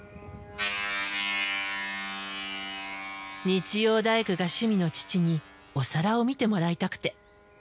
日曜大工が趣味の父にお皿を見てもらいたくて。